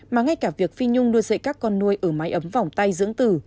mà ngay cả việc phi nhung nuôi dạy các con nuôi ở máy ấm vòng tay dưỡng từ